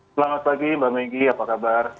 selamat pagi mbak megi apa kabar